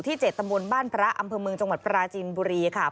๗ตำบลบ้านพระอำเภอเมืองจังหวัดปราจีนบุรีค่ะ